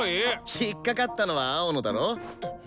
引っ掛かったのは青野だろ。